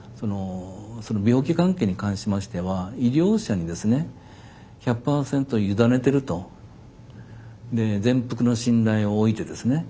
その病気関係に関しましては医療者にですね１００％委ねてると全幅の信頼をおいてですね。